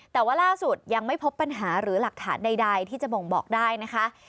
แต่ว่าล่าสุดยังไม่พบปัญหาหรือหลักฐานใดที่จะบ่งบอกได้นะคะ